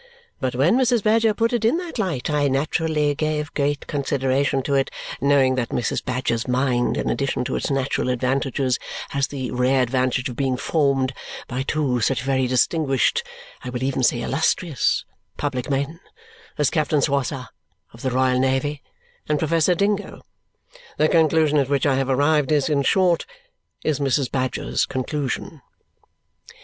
But when Mrs. Badger put it in that light, I naturally gave great consideration to it, knowing that Mrs. Badger's mind, in addition to its natural advantages, has had the rare advantage of being formed by two such very distinguished (I will even say illustrious) public men as Captain Swosser of the Royal Navy and Professor Dingo. The conclusion at which I have arrived is in short, is Mrs. Badger's conclusion."